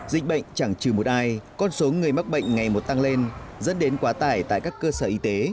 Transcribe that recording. dịch bệnh chẳng trừ một ai con số người mắc bệnh ngày một tăng lên dẫn đến quá tải tại các cơ sở y tế